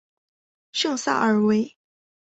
圣萨尔维。